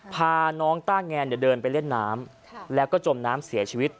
พาน้องต้าแงนเดินไปเล่นน้ำแล้วก็จมน้ำเสียชีวิต